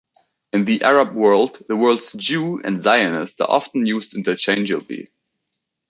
In the Arab world, the words "Jew" and "Zionist" are often used interchangeably.